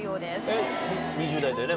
えっ２０代だよね？